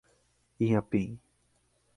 Inhapim